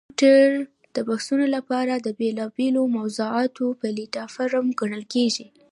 ټویټر د بحثونو لپاره د بېلابېلو موضوعاتو پلیټفارم ګڼل کېږي.